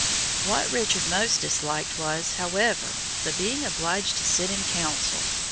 What Richard most disliked was, however, the being obliged to sit in council.